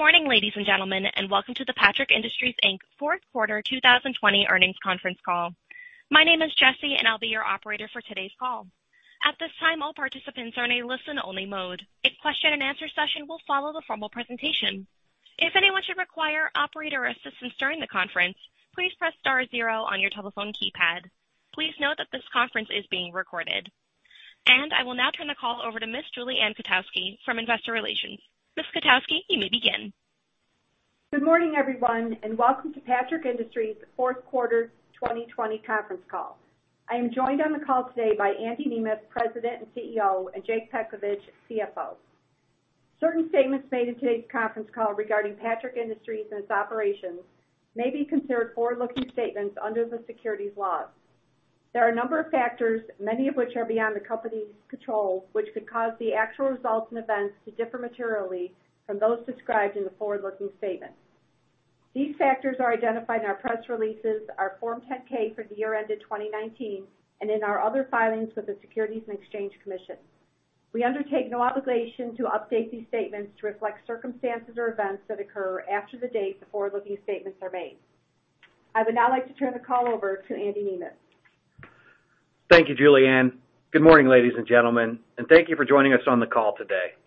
Good morning, ladies and gentlemen, and welcome to the Patrick Industries, Inc. fourth quarter 2020 earnings conference call. My name is Jesse, and I'll be your operator for today's call. At this time, all participants are in a listen-only mode. A question and answer session will follow the formal presentation. If anyone should require operator assistance during the conference, please press star zero on your telephone keypad. Please note that this conference is being recorded. I will now turn the call over to Ms. Julie Ann Kotowski from Investor Relations. Ms. Kotowski, you may begin. Good morning, everyone, and welcome to Patrick Industries' fourth quarter 2020 conference call. I am joined on the call today by Andy Nemeth, President and CEO, and Jake Petkovich, CFO. Certain statements made in today's conference call regarding Patrick Industries and its operations may be considered forward-looking statements under the securities laws. There are a number of factors, many of which are beyond the company's control, which could cause the actual results and events to differ materially from those described in the forward-looking statement. These factors are identified in our press releases, our Form 10-K for the year ended 2019, and in our other filings with the Securities and Exchange Commission. We undertake no obligation to update these statements to reflect circumstances or events that occur after the date the forward-looking statements are made. I would now like to turn the call over to Andy Nemeth. Thank you, Julie Ann. Good morning, ladies and gentlemen, and thank you for joining us on the call today.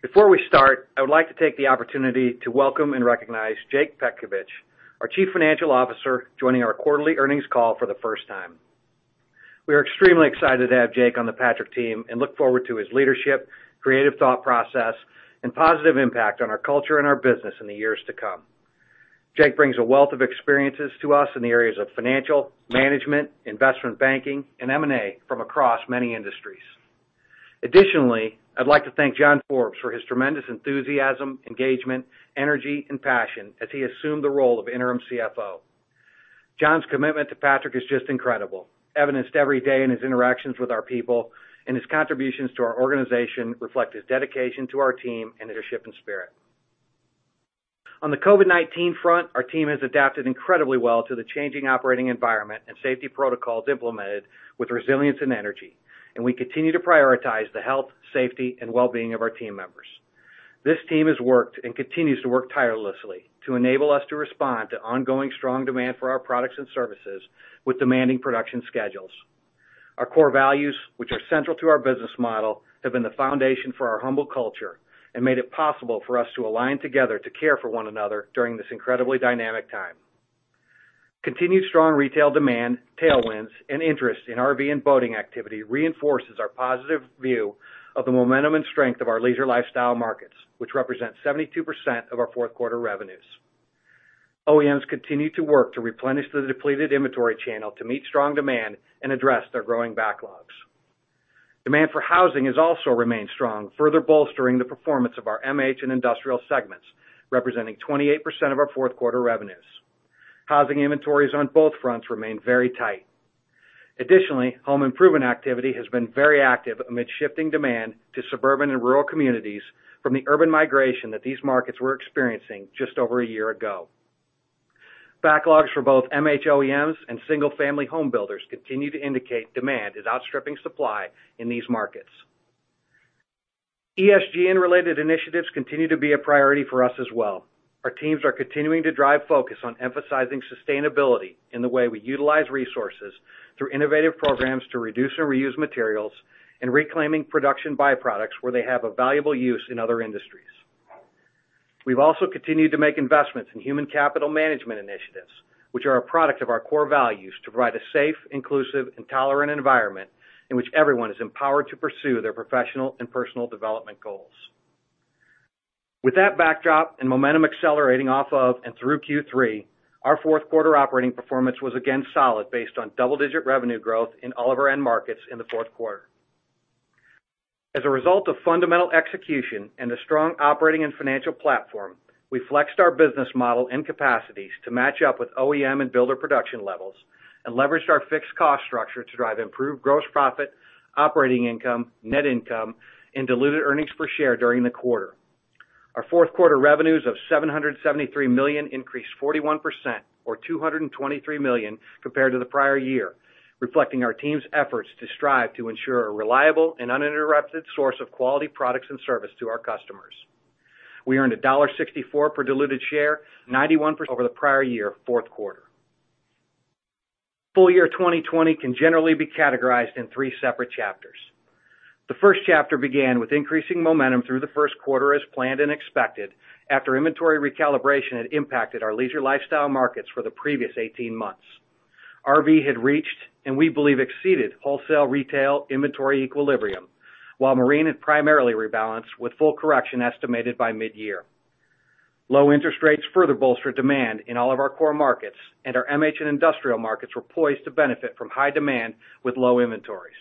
Before we start, I would like to take the opportunity to welcome and recognize Jake Petkovich, our Chief Financial Officer, joining our quarterly earnings call for the first time. We are extremely excited to have Jake on the Patrick team and look forward to his leadership, creative thought process, and positive impact on our culture and our business in the years to come. Jake brings a wealth of experiences to us in the areas of financial management, investment banking, and M&A from across many industries. Additionally, I'd like to thank John Forbes for his tremendous enthusiasm, engagement, energy, and passion as he assumed the role of interim CFO. John's commitment to Patrick is just incredible, evidenced every day in his interactions with our people, and his contributions to our organization reflect his dedication to our team and leadership and spirit. On the COVID-19 front, our team has adapted incredibly well to the changing operating environment and safety protocols implemented with resilience and energy, and we continue to prioritize the health, safety, and well-being of our team members. This team has worked and continues to work tirelessly to enable us to respond to ongoing strong demand for our products and services with demanding production schedules. Our core values, which are central to our business model, have been the foundation for our humble culture and made it possible for us to align together to care for one another during this incredibly dynamic time. Continued strong retail demand, tailwinds, and interest in RV and boating activity reinforce our positive view of the momentum and strength of our leisure lifestyle markets, which represent 72% of our fourth quarter revenues. OEMs continue to work to replenish the depleted inventory channel to meet strong demand and address their growing backlogs. Demand for housing has also remained strong, further bolstering the performance of our MH and industrial segments, representing 28% of our fourth quarter revenues. Housing inventories on both fronts remain very tight. Additionally, home improvement activity has been very active amid shifting demand to suburban and rural communities from the urban migration that these markets were experiencing just over a year ago. Backlogs for both MH OEMs and single-family home builders continue to indicate demand is outstripping supply in these markets. ESG and related initiatives continue to be a priority for us as well. Our teams are continuing to drive focus on emphasizing sustainability in the way we utilize resources through innovative programs to reduce and reuse materials and reclaim production byproducts where they have a valuable use in other industries. We've also continued to make investments in human capital management initiatives, which are a product of our core values to provide a safe, inclusive, and tolerant environment in which everyone is empowered to pursue their professional and personal development goals. With that backdrop and momentum accelerating off of and through Q3, our fourth quarter operating performance was again solid based on double-digit revenue growth in all of our end markets in the fourth quarter. As a result of fundamental execution and a strong operating and financial platform, we flexed our business model and capacities to match up with OEM and builder production levels and leveraged our fixed cost structure to drive improved gross profit, operating income, net income, and diluted earnings per share during the quarter. Our fourth-quarter revenues of $773 million increased 41%, or $223 million, compared to the prior year, reflecting our team's efforts to strive to ensure a reliable and uninterrupted source of quality products and service to our customers. We earned $1.64 per diluted share, 91% over the prior year's fourth quarter. Full year 2020 can generally be categorized in three separate chapters. The first chapter began with increasing momentum through the first quarter as planned and expected after inventory recalibration had impacted our leisure lifestyle markets for the previous 18 months. RV had reached, and we believe exceeded, wholesale retail inventory equilibrium, while marine had primarily rebalanced with full correction estimated by mid-year. Low interest rates further bolstered demand in all of our core markets, and our MH and industrial markets were poised to benefit from high demand with low inventories.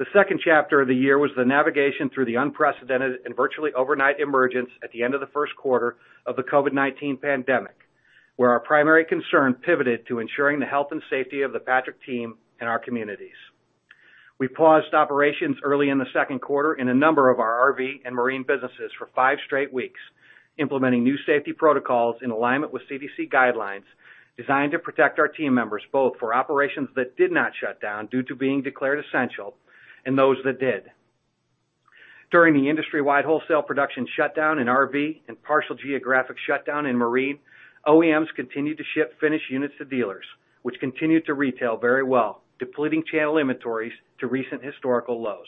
The second chapter of the year was the navigation through the unprecedented and virtually overnight emergence at the end of the first quarter of the COVID-19 pandemic, where our primary concern pivoted to ensuring the health and safety of the Patrick team and our communities. We paused operations early in the second quarter in a number of our RV and marine businesses for five straight weeks, implementing new safety protocols in alignment with CDC guidelines designed to protect our team members, both for operations that did not shut down due to being declared essential and those that did. During the industry-wide wholesale production shutdown in RVs and partial geographic shutdown in marine, OEMs continued to ship finished units to dealers, which continued to retail very well, depleting channel inventories to recent historical lows.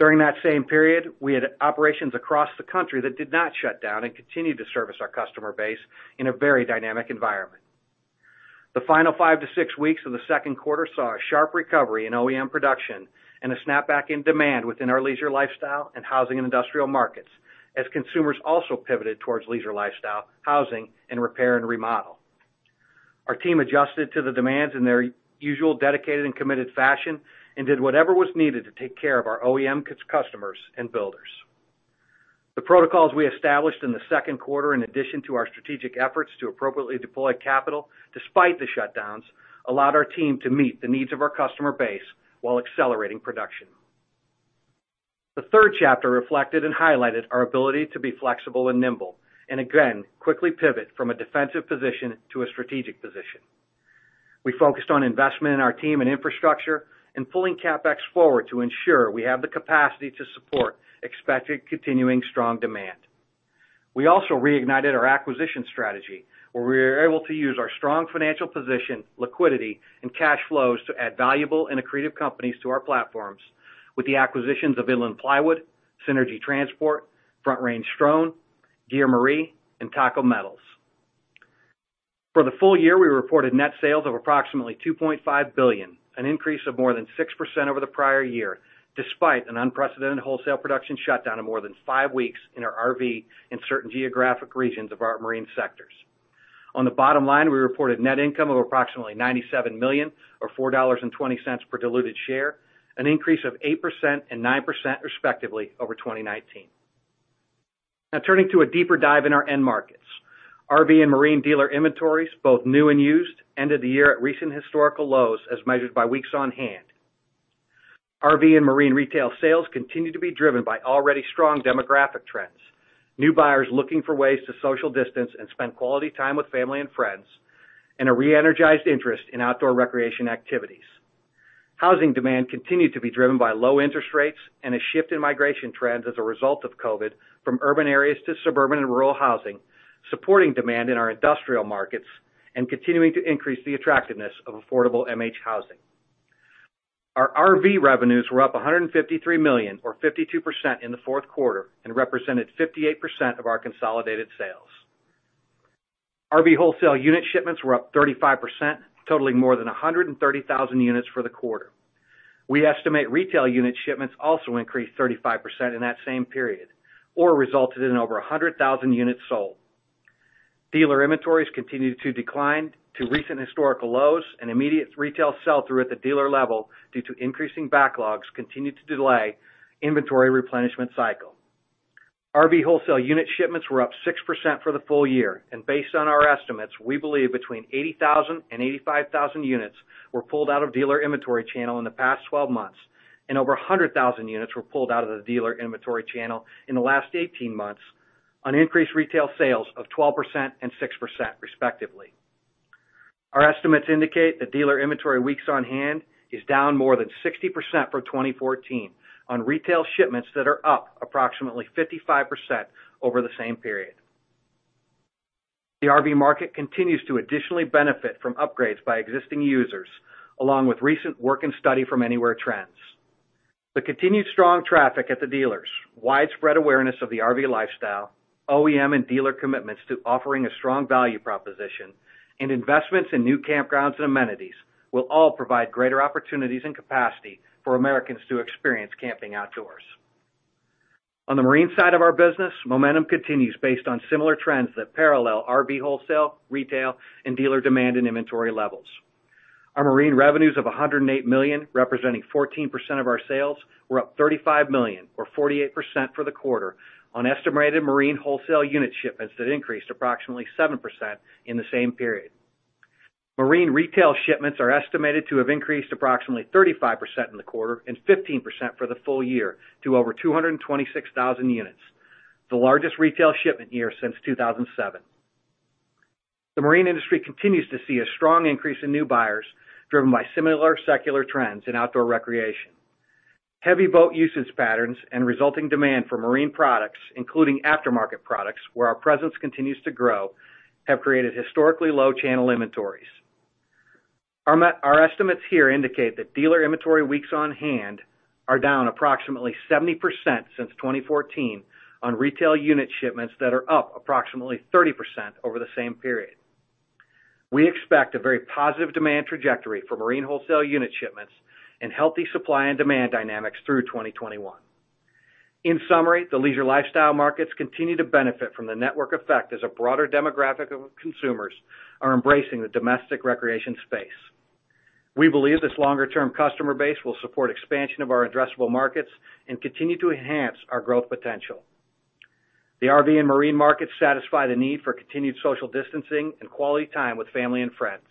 During that same period, we had operations across the country that did not shut down and continued to service our customer base in a very dynamic environment. The final five-six weeks of the second quarter saw a sharp recovery in OEM production and a snapback in demand within our leisure lifestyle and housing and industrial markets as consumers also pivoted towards leisure lifestyle, housing, and repair and remodel. Our team adjusted to the demands in their usual dedicated and committed fashion and did whatever was needed to take care of our OEM customers and builders. The protocols we established in the second quarter, in addition to our strategic efforts to appropriately deploy capital despite the shutdowns, allowed our team to meet the needs of our customer base while accelerating production. The third chapter reflected and highlighted our ability to be flexible and nimble and, again, quickly pivot from a defensive position to a strategic position. We focused on investment in our team and infrastructure and pulling CapEx forward to ensure we have the capacity to support expected continuing strong demand. We also reignited our acquisition strategy, where we were able to use our strong financial position, liquidity, and cash flows to add valuable and accretive companies to our platforms with the acquisitions of Inland Plywood, Synergy RV Transport, Front Range Stone, Geremarie, and TACO Metals. For the full year, we reported net sales of approximately $2.5 billion, an increase of more than 6% over the prior year, despite an unprecedented wholesale production shutdown of more than five weeks in our RV and certain geographic regions of our marine sectors. On the bottom line, we reported net income of approximately $97 million, or $4.20 per diluted share, an increase of 8% and 9%, respectively, over 2019. Now turning to a deeper dive in our end markets. RV and marine dealer inventories, both new and used, ended the year at recent historical lows as measured by weeks on hand. RV and marine retail sales continued to be driven by already strong demographic trends, new buyers looking for ways to social distance and spend quality time with family and friends, and a re-energized interest in outdoor recreation activities. Housing demand continued to be driven by low interest rates and a shift in migration trends as a result of COVID-19 from urban areas to suburban and rural housing, supporting demand in our industrial markets and continuing to increase the attractiveness of affordable MH housing. Our RV revenues were up $153 million, or 52%, in the fourth quarter and represented 58% of our consolidated sales. RV wholesale unit shipments were up 35%, totaling more than 130,000 units for the quarter. We estimate retail unit shipments also increased 35% in that same period or resulted in over 100,000 units sold. Dealer inventories continued to decline to recent historical lows, and immediate retail sell-through at the dealer level due to increasing backlogs continued to delay the inventory replenishment cycle. RV wholesale unit shipments were up 6% for the full year. Based on our estimates, we believe between 80,000 and 85,000 units were pulled out of the dealer inventory channel in the past 12 months, and over 100,000 units were pulled out of the dealer inventory channel in the last 18 months, with increased retail sales of 12% and 6%, respectively. Our estimates indicate that dealer inventory weeks on hand is down more than 60% for 2014 on retail shipments that are up approximately 55% over the same period. The RV market continues to additionally benefit from upgrades by existing users, along with recent work and study from anywhere trends. The continued strong traffic at the dealers, widespread awareness of the RV lifestyle, OEM and dealer commitments to offering a strong value proposition, and investments in new campgrounds and amenities will all provide greater opportunities and capacity for Americans to experience camping outdoors. On the marine side of our business, momentum continues based on similar trends that parallel RV wholesale, retail, and dealer demand and inventory levels. Our marine revenues of $108 million, representing 14% of our sales, were up $35 million or 48% for the quarter on estimated marine wholesale unit shipments that increased approximately 7% in the same period. Marine retail shipments are estimated to have increased approximately 35% in the quarter and 15% for the full year to over 226,000 units, the largest retail shipment year since 2007. The marine industry continues to see a strong increase in new buyers driven by similar secular trends in outdoor recreation. Heavy boat usage patterns and resulting demand for marine products, including aftermarket products, where our presence continues to grow, have created historically low channel inventories. Our estimates here indicate that dealer inventory weeks on hand are down approximately 70% since 2014 on retail unit shipments that are up approximately 30% over the same period. We expect a very positive demand trajectory for marine wholesale unit shipments and healthy supply and demand dynamics through 2021. In summary, the leisure lifestyle markets continue to benefit from the network effect as a broader demographic of consumers are embracing the domestic recreation space. We believe this longer-term customer base will support expansion of our addressable markets and continue to enhance our growth potential. The RV and marine markets satisfy the need for continued social distancing and quality time with family and friends.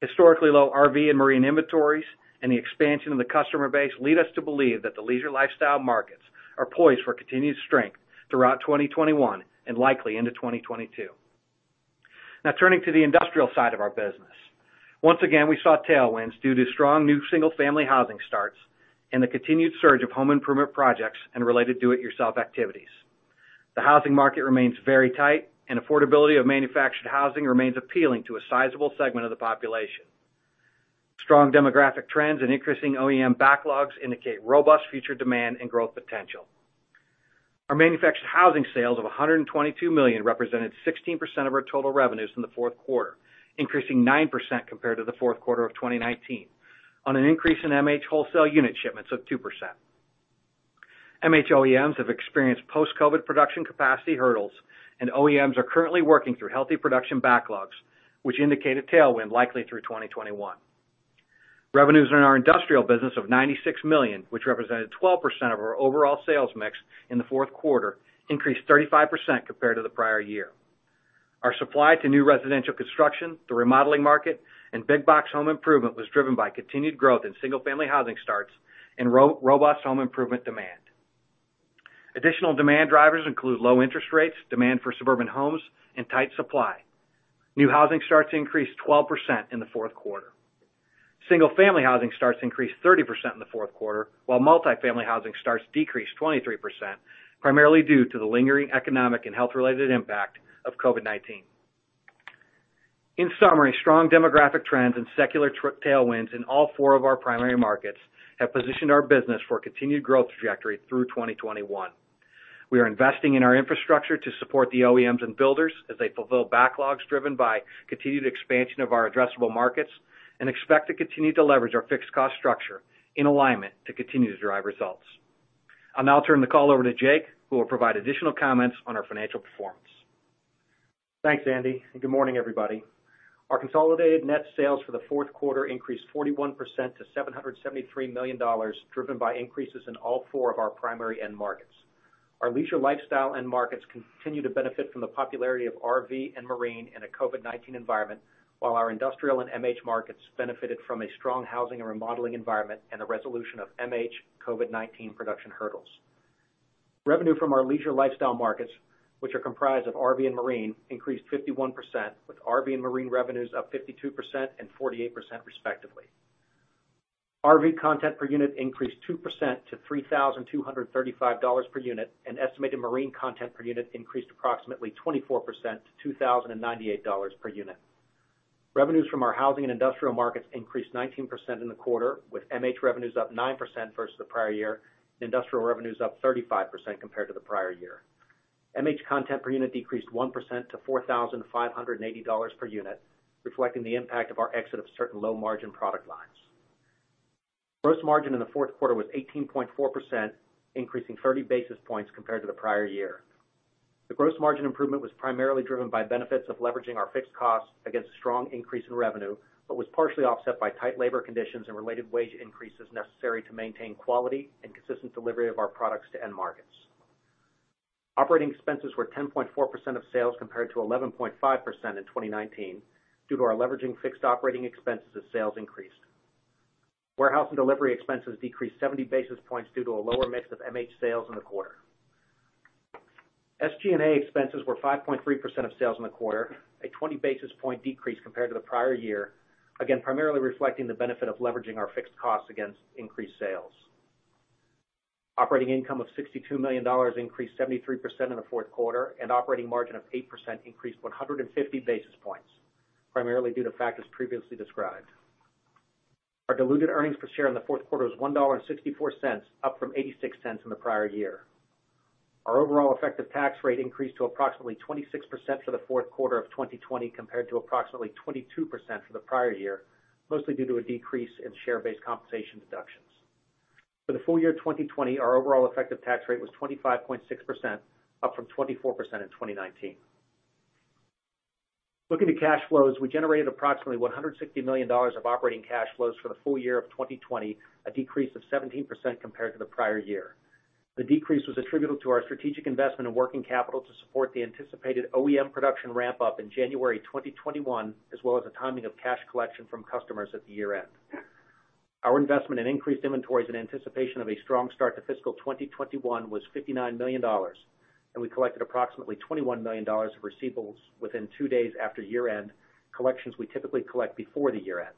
Historically low RV and marine inventories and the expansion of the customer base lead us to believe that the leisure lifestyle markets are poised for continued strength throughout 2021 and likely into 2022. Now turning to the industrial side of our business. Once again, we saw tailwinds due to strong new single-family housing starts and the continued surge of home improvement projects and related do-it-yourself activities. The housing market remains very tight, and affordability of manufactured housing remains appealing to a sizable segment of the population. Strong demographic trends and increasing OEM backlogs indicate robust future demand and growth potential. Our manufactured housing sales of $122 million represented 16% of our total revenues in the fourth quarter, increasing 9% compared to the fourth quarter of 2019, on an increase in MH wholesale unit shipments of 2%. MH OEMs have experienced post-COVID-19 production capacity hurdles, and OEMs are currently working through healthy production backlogs, which indicate a tailwind likely through 2021. Revenues in our industrial business of $96 million, which represented 12% of our overall sales mix in the fourth quarter, increased 35% compared to the prior year. Our supply to new residential construction, the remodeling market, and big-box home improvement was driven by continued growth in single-family housing starts and robust home improvement demand. Additional demand drivers include low interest rates, demand for suburban homes, and tight supply. New housing starts increased 12% in the fourth quarter. Single-family housing starts increased 30% in the fourth quarter, while multi-family housing starts decreased 23%, primarily due to the lingering economic and health-related impact of COVID-19. In summary, strong demographic trends and secular tailwinds in all four of our primary markets have positioned our business for a continued growth trajectory through 2021. We are investing in our infrastructure to support the OEMs and builders as they fulfill backlogs driven by continued expansion of our addressable markets and expect to continue to leverage our fixed cost structure in alignment to continue to drive results. I'll now turn the call over to Jake, who will provide additional comments on our financial performance. Thanks, Andy, and good morning, everybody. Our consolidated net sales for the fourth quarter increased 41% to $773 million, driven by increases in all four of our primary end markets. Our leisure lifestyle end markets continue to benefit from the popularity of RVs and marine in a COVID-19 environment, while our industrial and MH markets benefited from a strong housing and remodeling environment and the resolution of MH COVID-19 production hurdles. Revenue from our leisure lifestyle markets, which are comprised of RV and marine, increased 51%, with RV and marine revenues up 52% and 48%, respectively. RV content per unit increased 2% to $3,235 per unit, and estimated marine content per unit increased approximately 24% to $2,098 per unit. Revenues from our housing and industrial markets increased 19% in the quarter, with MH revenues up 9% versus the prior year, and industrial revenues up 35% compared to the prior year. MH content per unit decreased 1% to $4,580 per unit, reflecting the impact of our exit of certain low-margin product lines. Gross margin in the fourth quarter was 18.4%, increasing 30 basis points compared to the prior year. The gross margin improvement was primarily driven by benefits of leveraging our fixed costs against a strong increase in revenue but was partially offset by tight labor conditions and related wage increases necessary to maintain quality and consistent delivery of our products to end markets. Operating expenses were 10.4% of sales, compared to 11.5% in 2019, due to our leveraging fixed operating expenses as sales increased. Warehouse and delivery expenses decreased 70 basis points due to a lower mix of MH sales in the quarter. SG&A expenses were 5.3% of sales in the quarter, a 20 basis point decrease compared to the prior year, again, primarily reflecting the benefit of leveraging our fixed costs against increased sales. Operating income of $62 million increased 73% in the fourth quarter, and operating margin of 8% increased 150 basis points, primarily due to factors previously described. Our diluted earnings per share in the fourth quarter was $1.64, up from $0.86 in the prior year. Our overall effective tax rate increased to approximately 26% for the fourth quarter of 2020 compared to approximately 22% for the prior year, mostly due to a decrease in share-based compensation deductions. For the full year 2020, our overall effective tax rate was 25.6%, up from 24% in 2019. Looking to cash flows, we generated approximately $160 million of operating cash flows for the full year of 2020, a decrease of 17% compared to the prior year. The decrease was attributable to our strategic investment in working capital to support the anticipated OEM production ramp-up in January 2021, as well as the timing of cash collection from customers at the year-end. Our investment in increased inventories in anticipation of a strong start to fiscal 2021 was $59 million, and we collected approximately $21 million of receivables within two days after year-end, collections we typically collect before year-end.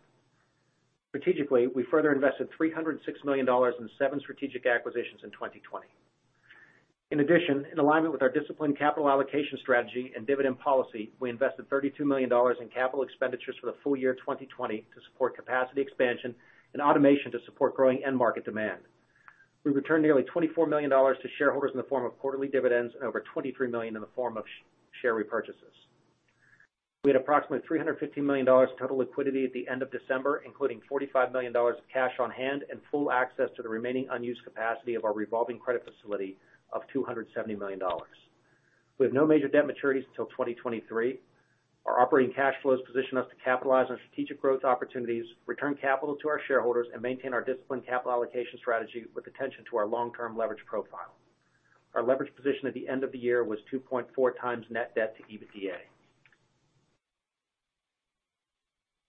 Strategically, we further invested $306 million in seven strategic acquisitions in 2020. In addition, in alignment with our disciplined capital allocation strategy and dividend policy, we invested $32 million in capital expenditures for the full year 2020 to support capacity expansion and automation to support growing end market demand. We returned nearly $24 million to shareholders in the form of quarterly dividends and over $23 million in the form of share repurchases. We had approximately $315 million total liquidity at the end of December, including $45 million of cash on hand and full access to the remaining unused capacity of our revolving credit facility of $270 million. We have no major debt maturities till 2023. Our operating cash flows position us to capitalize on strategic growth opportunities, return capital to our shareholders, and maintain our disciplined capital allocation strategy with attention to our long-term leverage profile. Our leverage position at the end of the year was 2.4x net debt to EBITDA.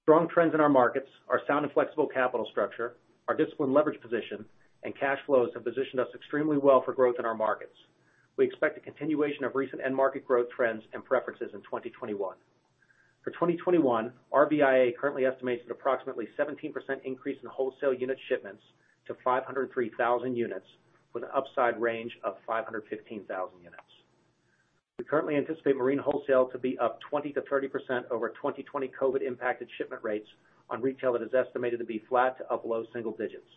Strong trends in our markets are sound and flexible capital structure, our disciplined leverage position, and cash flows have positioned us extremely well for growth in our markets. We expect a continuation of recent end market growth trends and preferences in 2021. For 2021, RVIA currently estimates an approximately 17% increase in wholesale unit shipments to 503,000 units, with an upside range of 515,000 units. We currently anticipate marine wholesale to be up 20%-30% over 2020 COVID-impacted shipment rates on retail that is estimated to be flat to up low single digits.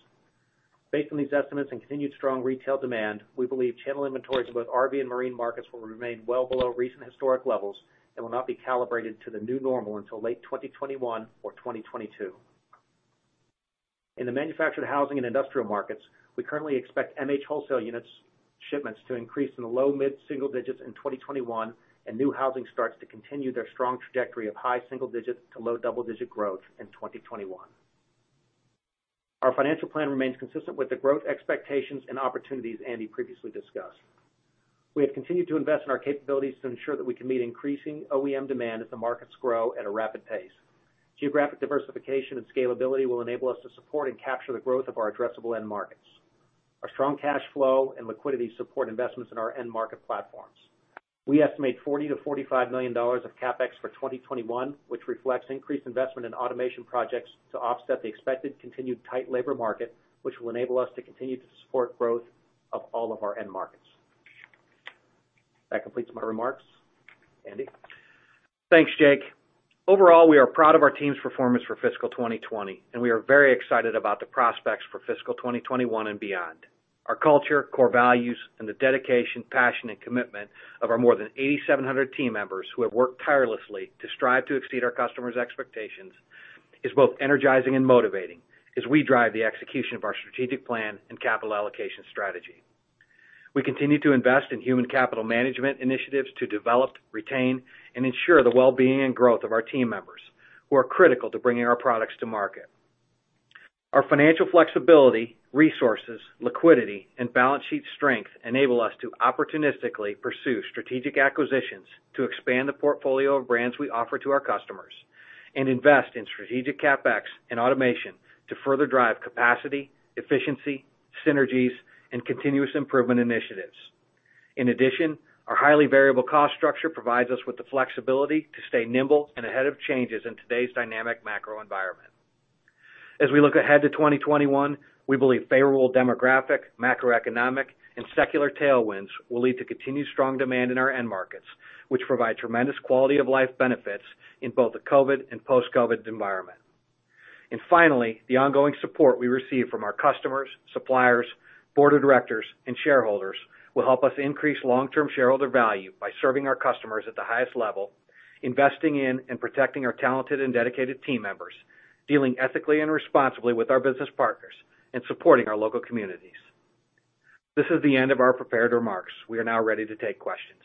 Based on these estimates and continued strong retail demand, we believe channel inventories in both RV and marine markets will remain well below recent historic levels and will not be calibrated to the new normal until late 2021 or 2022. In the manufactured housing and industrial markets, we currently expect MH wholesale unit shipments to increase in the low mid-single digits in 2021 and new housing starts to continue their strong trajectory of high single-digit to low double-digit growth in 2021. Our financial plan remains consistent with the growth expectations and opportunities Andy previously discussed. We have continued to invest in our capabilities to ensure that we can meet increasing OEM demand as the markets grow at a rapid pace. Geographic diversification and scalability will enable us to support and capture the growth of our addressable end markets. Our strong cash flow and liquidity support investments in our end-market platforms. We estimate $40 million-$45 million of CapEx for 2021, which reflects increased investment in automation projects to offset the expected continued tight labor market, which will enable us to continue to support the growth of all of our end markets. That completes my remarks. Andy? Thanks, Jake. Overall, we are proud of our team's performance for fiscal 2020, and we are very excited about the prospects for fiscal 2021 and beyond. Our culture, core values, and the dedication, passion, and commitment of our more than 8,700 team members, who have worked tirelessly to strive to exceed our customers' expectations, is both energizing and motivating as we drive the execution of our strategic plan and capital allocation strategy. We continue to invest in human capital management initiatives to develop, retain, and ensure the well-being and growth of our team members who are critical to bringing our products to market. Our financial flexibility, resources, liquidity, and balance sheet strength enable us to opportunistically pursue strategic acquisitions to expand the portfolio of brands we offer to our customers and invest in strategic CapEx and automation to further drive capacity, efficiency, synergies, and continuous improvement initiatives. In addition, our highly variable cost structure provides us with the flexibility to stay nimble and ahead of changes in today's dynamic macro environment. As we look ahead to 2021, we believe favorable demographic, macroeconomic, and secular tailwinds will lead to continued strong demand in our end markets, which provide tremendous quality-of-life benefits in both the COVID and post-COVID environments. Finally, the ongoing support we receive from our customers, suppliers, board of directors, and shareholders will help us increase long-term shareholder value by serving our customers at the highest level, investing in and protecting our talented and dedicated team members, dealing ethically and responsibly with our business partners, and supporting our local communities. This is the end of our prepared remarks. We are now ready to take questions.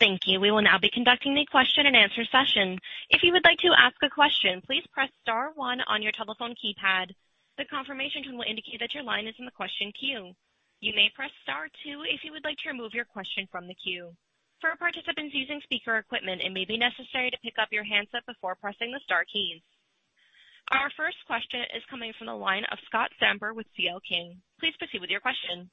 Thank you. We will now be conducting a question and answer session. If you would like to ask a question, please press star one on your telephone keypad. The confirmation tone will indicate that your line is in the question queue. You may press star two if you would like to remove your question from the queue. For participants using speaker equipment, it may be necessary to pick up your handset before pressing the star keys. Our first question is coming from the line of Scott Stember with C.L. King. Please proceed with your question.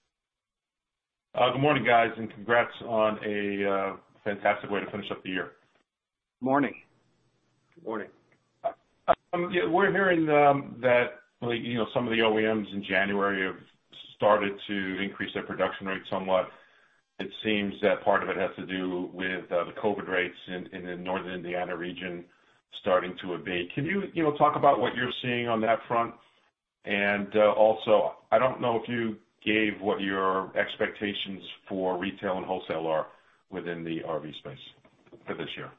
Good morning, guys. Congrats on a fantastic way to finish up the year. Morning. Good morning. Yeah, we're hearing that some of the OEMs in January have started to increase their production rates somewhat. It seems that part of it has to do with the COVID rates in the Northern Indiana region starting to abate. Can you talk about what you're seeing on that front? Also, I don't know if you gave what your expectations for retail and wholesale are within the RV space for this year.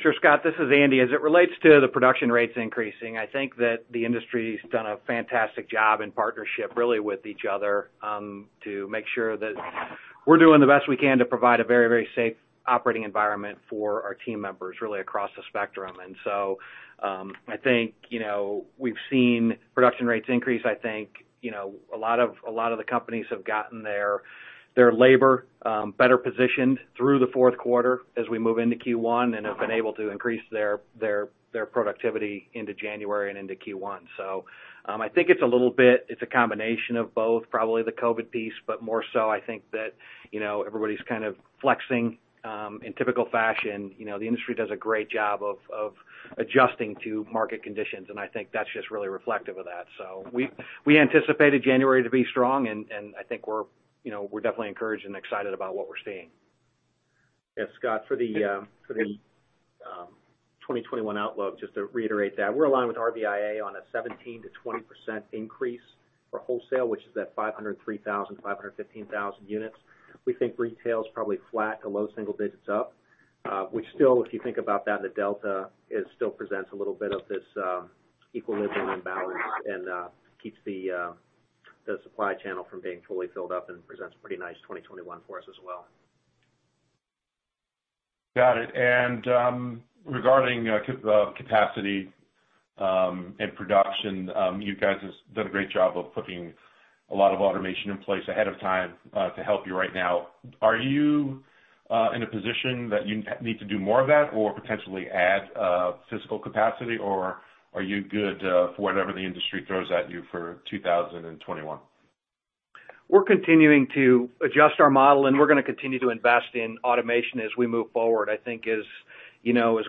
Sure, Scott, this is Andy. As it relates to the production rates increasing, I think that the industry's done a fantastic job in partnership, really with each other, to make sure that we're doing the best we can to provide a very safe operating environment for our team members, really across the spectrum. I think we've seen production rates increase. I think a lot of the companies have gotten their labor better positioned through the fourth quarter as we move into Q1 and have been able to increase their productivity into January and into Q1. I think it's a little bit; it's a combination of both, probably the COVID-19 piece, but more so I think that everybody's kind of flexing in typical fashion. The industry does a great job of adjusting to market conditions, and I think that's just really reflective of that. We anticipated January to be strong, and I think we're definitely encouraged and excited about what we're seeing. Yeah, Scott, for the 2021 outlook, just to reiterate that, we're aligned with RVIA on a 17%-20% increase for wholesale, which is at 503,000-515,000 units. We think retail's probably flat to low single digits up. Which still, if you think about that, the delta still presents a little bit of this equilibrium and balance and keeps the supply channel from being fully filled up and presents pretty nice 2021 for us as well. Got it. Regarding capacity and production, you guys have done a great job of putting a lot of automation in place ahead of time to help you right now. Are you in a position that you need to do more of that or potentially add physical capacity, or are you good for whatever the industry throws at you for 2021? We're continuing to adjust our model, and we're going to continue to invest in automation as we move forward. I think as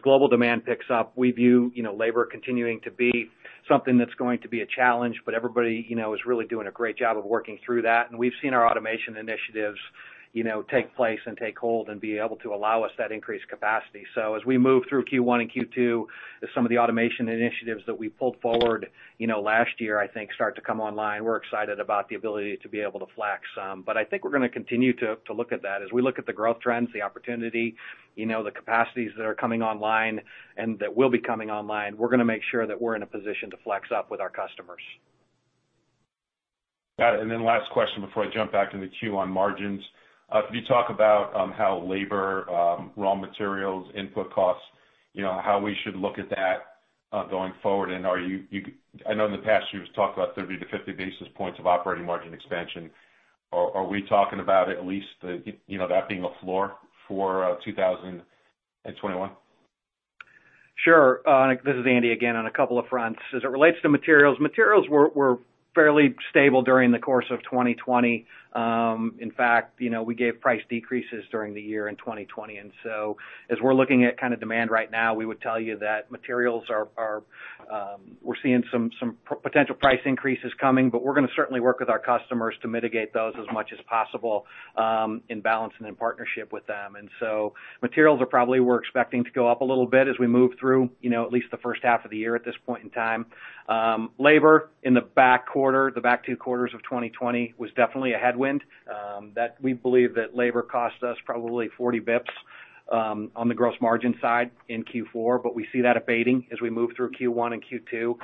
global demand picks up, we view labor continuing to be something that's going to be a challenge, but everybody is really doing a great job of working through that. We've seen our automation initiatives take place and take hold and be able to allow us that increased capacity. As we move through Q1 and Q2, as some of the automation initiatives that we pulled forward last year, I think start to come online, we're excited about the ability to be able to flex some. I think we're going to continue to look at that. As we look at the growth trends, the opportunity, and the capacities that are coming online and that will be coming online, we're going to make sure that we're in a position to flex up with our customers. Got it. Last question before I jump back in the queue on margins. Could you talk about labor, raw materials, and input costs and how we should look at that going forward? I know in the past, you've talked about 30-50 basis points of operating margin expansion. Are we talking about at least that being a floor for 2021? Sure. This is Andy again. On a couple of fronts. As it relates to materials, we were fairly stable during the course of 2020. We gave price decreases during the year in 2020. As we're looking at kind of demand right now, we would tell you that for materials, we're seeing some potential price increases coming, but we're going to certainly work with our customers to mitigate those as much as possible in balance and in partnership with them. Materials are probably, we're expecting to go up a little bit as we move through at least the first half of the year at this point in time. Labor in the back quarter, the back two quarters of 2020 was definitely a headwind. We believe that labor cost us probably 40 basis points on the gross margin side in Q4, but we see that abating as we move through Q1 and Q2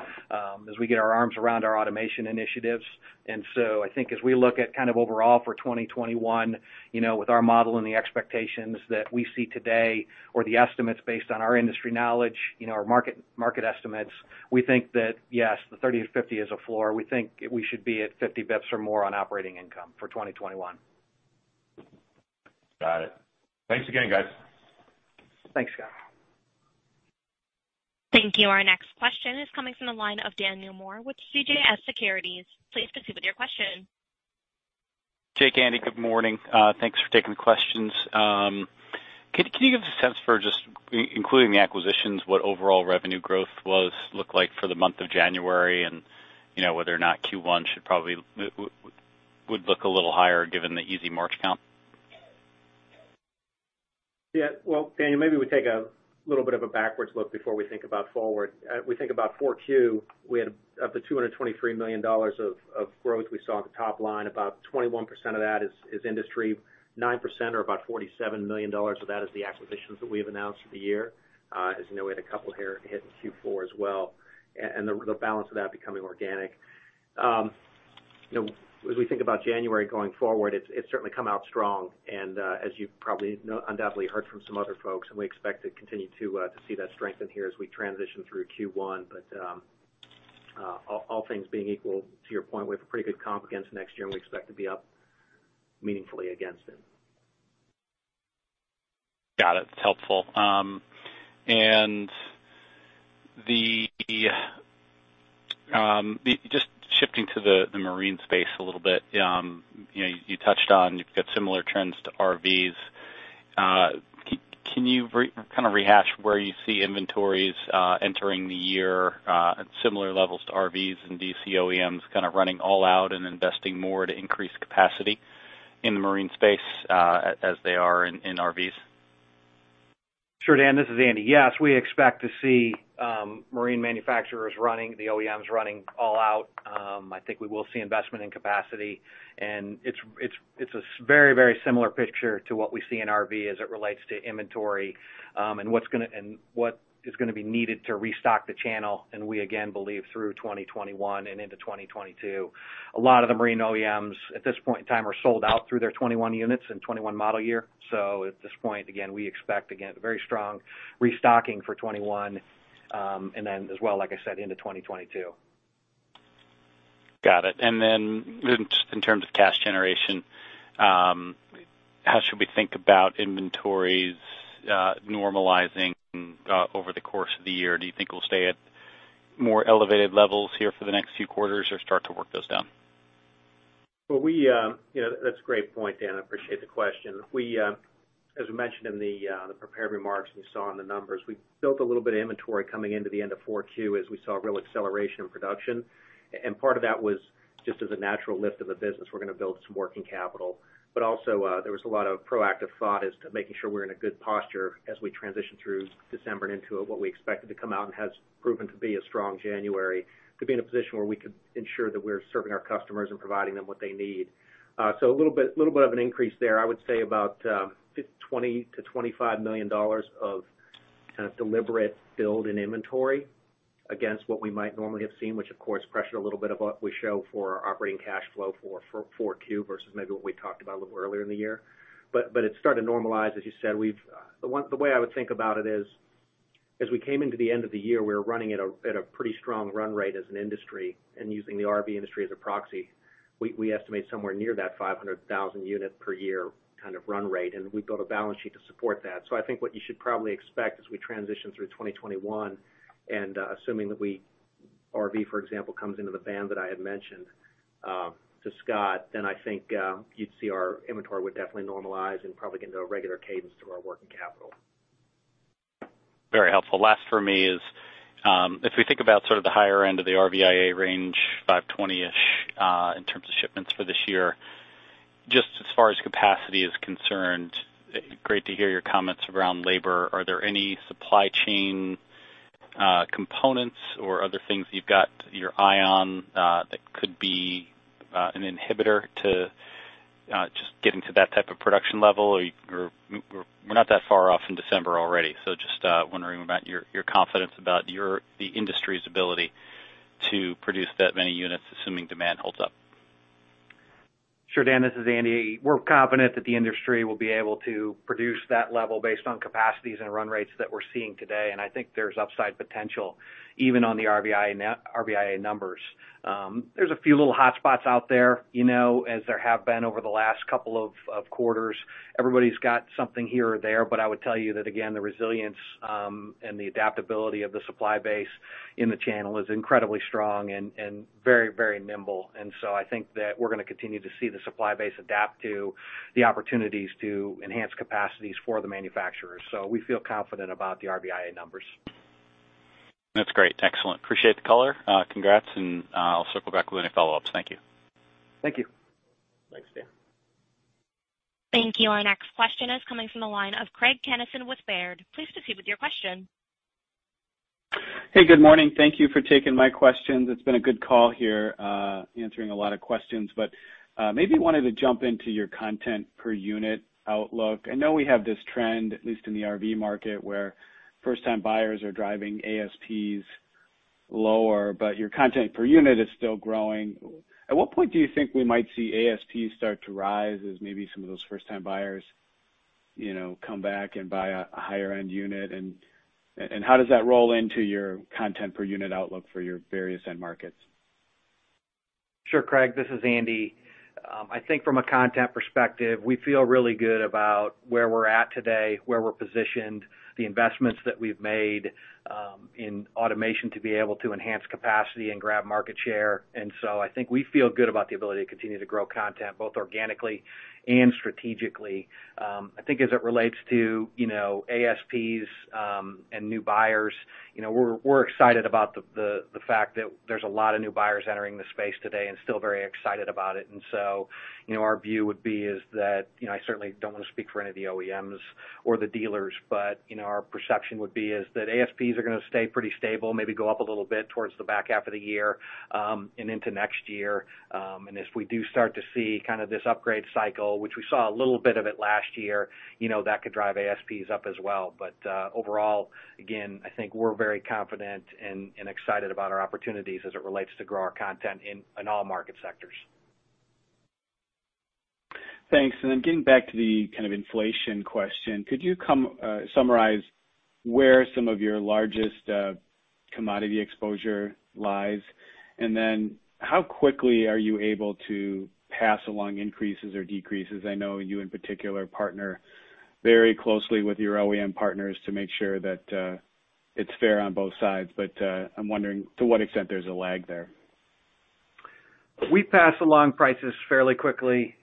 as we get our arms around our automation initiatives. I think as we look at kind of overall for 2021, with our model and the expectations that we see today or the estimates based on our industry knowledge, our market estimates, we think that, yes, the 30-50 basis points are a floor. We think we should be at 50 basis points or more on operating income for 2021. Got it. Thanks again, guys. Thanks, Scott. Thank you. Our next question is coming from the line of Daniel Moore with CJS Securities. Please proceed with your question. Jake and Andy, good morning. Thanks for taking the questions. Can you give us a sense for just including the acquisitions of what overall revenue growth looked like for the month of January and whether or not Q1 probably would look a little higher given the easy March count? Well, Dan, maybe we take a little bit of a backwards look before we think about the future. We think about 4Q; we had up to $223 million of growth. We saw at the top line that about 21% of that is industry and 9%, or about $47 million, of that is the acquisitions that we have announced for the year. As you know, we had a couple here hit in Q4 as well. The balance of that becoming organic. As we think about January going forward, it's certainly come out strong, and as you've probably undoubtedly heard from some other folks, we expect to continue to see that strength in here as we transition through Q1. All things being equal, to your point, we have a pretty good comp against next year, and we expect to be up meaningfully against it. Got it. It's helpful. Just shifting to the marine space a little bit. You touched on you've got similar trends to RVs. Can you kind of rehash where you see inventories entering the year at similar levels to RVs and these OEMs kind of running all out and investing more to increase capacity in the marine space as they are in RVs? Sure, Dan. This is Andy. We expect to see marine manufacturers running, the OEMs running all out. I think we will see investment in capacity, and it's a very similar picture to what we see in RV as it relates to inventory and what is going to be needed to restock the channel. We again, believe through 2021 and into 2022. A lot of the marine OEMs at this point in time are sold out through their 2021 units and 2021 model year. At this point, again, we expect, again, very strong restocking for 2021. As well, like I said, into 2022. Got it. Then just in terms of cash generation, how should we think about inventories normalizing over the course of the year? Do you think we'll stay at more elevated levels here for the next few quarters or start to work those down? That's a great point, Dan. I appreciate the question. As we mentioned in the prepared remarks and you saw in the numbers, we built a little bit of inventory coming into the end of 4Q as we saw a real acceleration in production. Part of that was just as a natural lift of the business. Also there was a lot of proactive thought as to making sure we're in a good posture as we transition through December and into what we expected to come out and has proven to be a strong January, to be in a position where we could ensure that we're serving our customers and providing them what they need. A little bit of an increase there, I would say about $20 million to $25 million of kind of deliberate build in inventory against what we might normally have seen, which of course pressured a little bit of what we show for our operating cash flow for 4Q versus maybe what we talked about a little earlier in the year. It started to normalize, as you said. The way I would think about it is As we came into the end of the year, we were running at a pretty strong run rate as an industry. Using the RV industry as a proxy, we estimate somewhere near that 500,000 unit per year kind of run rate, and we've built a balance sheet to support that. I think what you should probably expect as we transition through 2021, and assuming that RV, for example, comes into the band that I had mentioned to Scott, then I think you'd see our inventory would definitely normalize and probably get into a regular cadence through our working capital. Very helpful. Last for me is, if we think about sort of the higher end of the RVIA range, 520-ish in terms of shipments for this year; just as far as capacity is concerned, it's great to hear your comments around labor. Are there any supply chain components or other things that you've got your eye on that could be an inhibitor to just getting to that type of production level? We're not that far off in December already. Just wondering about your confidence about the industry's ability to produce that many units, assuming demand holds up. Sure, Dan. This is Andy. We're confident that the industry will be able to produce that level based on capacities and run rates that we're seeing today, and I think there's upside potential, even on the RVIA numbers. There are a few little hotspots out there, as there have been over the last couple of quarters. Everybody's got something here or there. I would tell you that, again, the resilience and the adaptability of the supply base in the channel is incredibly strong and very nimble. I think that we're going to continue to see the supply base adapt to the opportunities to enhance capacities for the manufacturers. We feel confident about the RVIA numbers. That's great. Excellent. Appreciate the color. Congrats. I'll circle back with any follow-ups. Thank you. Thank you. Thanks, Dan. Thank you. Our next question is coming from the line of Craig Kennison with Baird. Please proceed with your question. Hey, good morning. Thank you for taking my questions. It's been a good call here, answering a lot of questions. Maybe wanted to jump into your content per unit outlook. I know we have this trend, at least in the RV market, where first-time buyers are driving ASPs lower, but your content per unit is still growing. At what point do you think we might see ASPs start to rise as maybe some of those first-time buyers come back and buy a higher-end unit? How does that roll into your content per unit outlook for your various end markets? Sure, Craig, this is Andy. I think from a content perspective, we feel really good about where we're at today, where we're positioned, and the investments that we've made in automation to be able to enhance capacity and grab market share. I think we feel good about the ability to continue to grow content, both organically and strategically. I think as it relates to ASPs and new buyers, we're excited about the fact that there are a lot of new buyers entering the space today and are still very excited about it. Our view would be that I certainly don't want to speak for any of the OEMs or the dealers, but our perception would be that ASPs are going to stay pretty stable, maybe go up a little bit towards the back half of the year and into next year. If we do start to see this upgrade cycle, which we saw a little bit of it last year, that could drive ASPs up as well. Overall, again, I think we're very confident and excited about our opportunities as it relates to grow our content in all market sectors. Thanks. Getting back to the kind of inflation question, could you summarize where some of your largest commodity exposure lies? How quickly are you able to pass along increases or decreases? I know you, in particular, partner very closely with your OEM partners to make sure that it's fair on both sides, but I'm wondering to what extent there's a lag there. We pass along prices fairly quickly,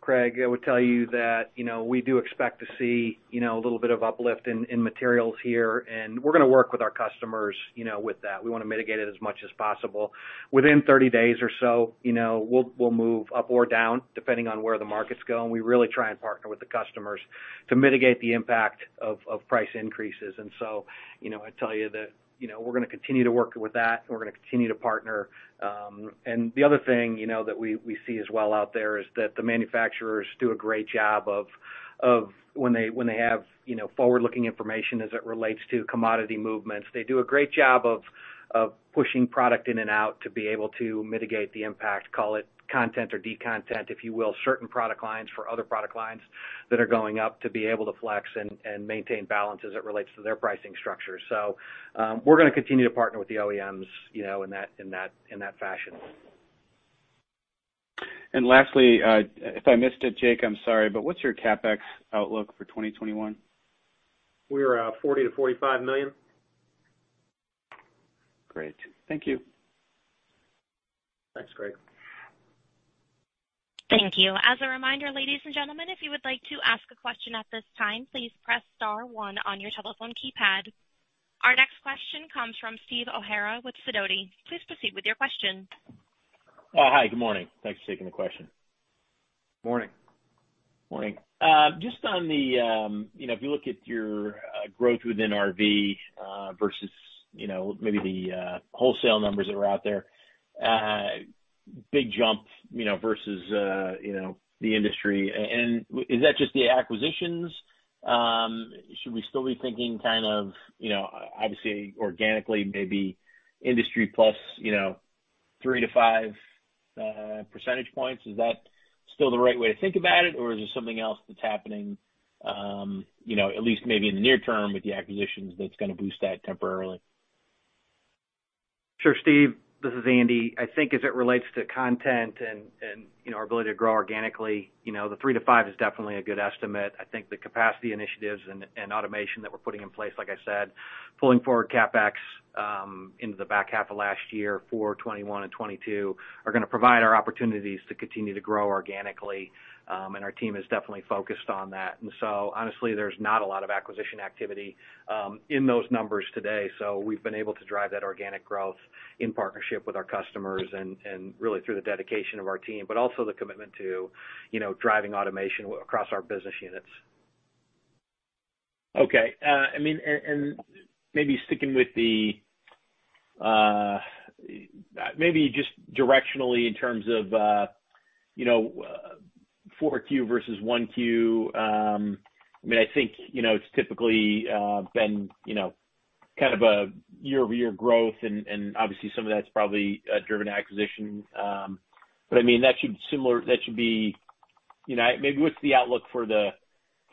Craig. I would tell you that we do expect to see a little bit of uplift in materials here, and we're going to work with our customers with that. We want to mitigate it as much as possible. Within 30 days or so, we'll move up or down depending on where the market's going. We really try and partner with the customers to mitigate the impact of price increases. I'd tell you that we're going to continue to work with that, and we're going to continue to partner. The other thing that we see as well out there is that the manufacturers do a great job of when they have forward-looking information as it relates to commodity movements. They do a great job of pushing product in and out to be able to mitigate the impact; call it content or decontent, if you will, certain product lines for other product lines that are going up to be able to flex and maintain balance as it relates to their pricing structure. We're going to continue to partner with the OEMs in that fashion. Lastly, if I missed it, Jake, I'm sorry, but what's your CapEx outlook for 2021? We're at $40 million-$45 million. Great. Thank you. Thanks, Craig. Thank you. As a reminder, ladies and gentlemen, if you would like to ask a question at this time, please press star one on your telephone keypad. Our next question comes from Steve O'Hara with Sidoti. Please proceed with your question. Hi, good morning. Thanks for taking the question. Morning. Morning. Just on if you look at your growth within RV versus maybe the wholesale numbers that are out there, there's a big jump versus the industry. Is that just the acquisitions? Should we still be thinking kind of, obviously organically, maybe industry plus? Three to five percentage points—is that still the right way to think about it? Is there something else that's happening, at least maybe in the near term with the acquisitions that's going to boost that temporarily? Sure, Steve, this is Andy. I think as it relates to content and our ability to grow organically, three to five is definitely a good estimate. I think the capacity initiatives and automation that we're putting in place, like I said, pulling forward CapEx into the back half of last year for 2021 and 2022 are going to provide our opportunities to continue to grow organically. Our team is definitely focused on that. Honestly, there's not a lot of acquisition activity in those numbers today. We've been able to drive that organic growth in partnership with our customers and really through the dedication of our team, but also the commitment to driving automation across our business units. Okay. Maybe just directionally in terms of 4Q versus 1Q. I think it's typically been kind of a year-over-year growth, and obviously, some of that's probably driven acquisition. Maybe what's the outlook for the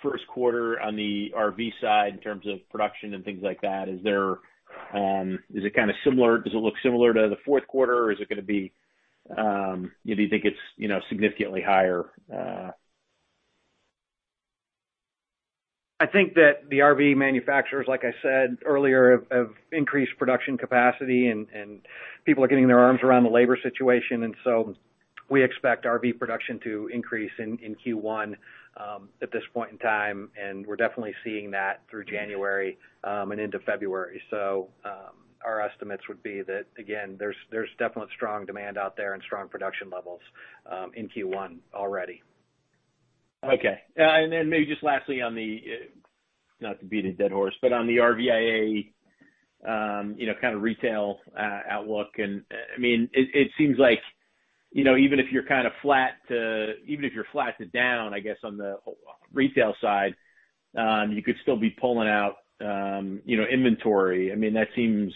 first quarter on the RV side in terms of production and things like that? Is it kind of similar? Does it look similar to the fourth quarter, or do you think it's significantly higher? I think that the RV manufacturers, like I said earlier, have increased production capacity, and people are getting their arms around the labor situation. We expect RV production to increase in Q1 at this point in time, and we're definitely seeing that through January and into February. Our estimates would be that, again, there's definite strong demand out there and strong production levels in Q1 already. Okay. Then maybe just lastly on the—not to beat a dead horse—RVIA kind of retail outlook, and it seems like even if you're flat to down, I guess, on the retail side, you could still be pulling out inventory. It seems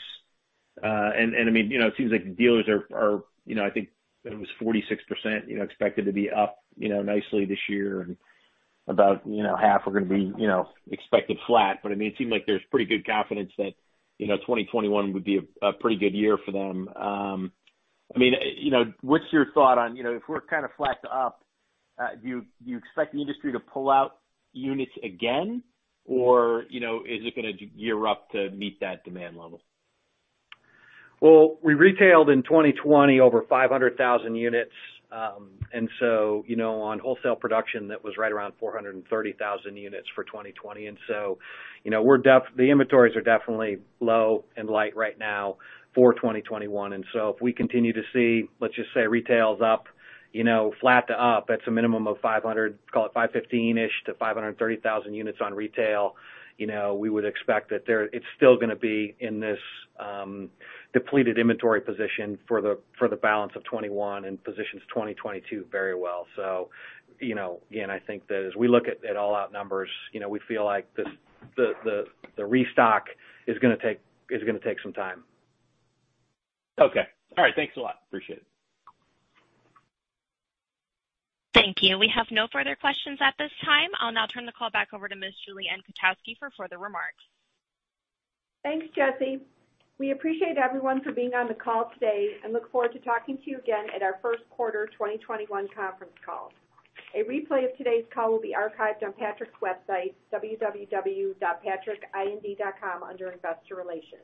like the dealers are, I think it was 46%, expected to be up nicely this year, and about half are going to be expected to be flat. It seems like there's pretty good confidence that 2021 would be a pretty good year for them. What's your thought on if we're kind of flat to up, do you expect the industry to pull out units again, or is it going to gear up to meet that demand level? Well, we retailed in 2020 over 500,000 units. On wholesale production, that was right around 430,000 units for 2020. The inventories are definitely low and light right now for 2021. If we continue to see, let's just say, retail is up, flat to up, that's a minimum of 500, call it 515-ish-530,000 units on retail. We would expect that it's still going to be in this depleted inventory position for the balance of 2021 and positions 2022 very well. Again, I think that as we look at all our numbers, we feel like the restock is going to take some time. Okay. All right. Thanks a lot. Appreciate it. Thank you. We have no further questions at this time. I'll now turn the call back over to Ms. Julie Ann Kotowski for further remarks. Thanks, Jesse. We appreciate everyone for being on the call today and look forward to talking to you again at our first quarter 2021 conference call. A replay of today's call will be archived on Patrick's website, www.patrickind.com, under Investor Relations.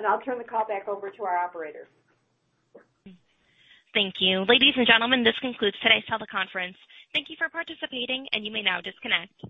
I'll turn the call back over to our operator. Thank you. Ladies and gentlemen, this concludes today's teleconference. Thank you for participating, and you may now disconnect.